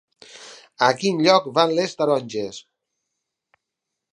A quin lloc van les taronges?